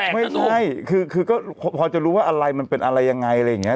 ไม่ใช่คือก็พอจะรู้ว่าอะไรมันเป็นอะไรยังไงอะไรอย่างนี้